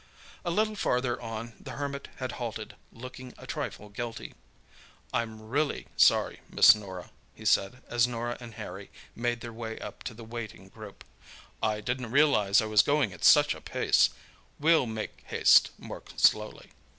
A little farther on the Hermit had halted, looking a trifle guilty. "I'm really sorry, Miss Norah," he said, as Norah and Harry made their way up to the waiting group. "I didn't realise I was going at such a pace. We'll make haste more slowly."